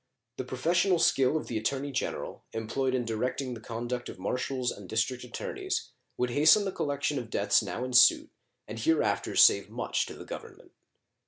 The professional skill of the Attorney General, employed in directing the conduct of marshals and district attorneys, would hasten the collection of debts now in suit and hereafter save much to the Government.